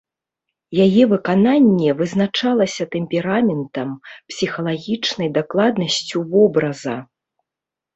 Яе выкананне вызначалася тэмпераментам, псіхалагічнай дакладнасцю вобраза.